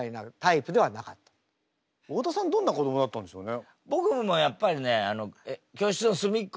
どんな子どもだったんでしょうね？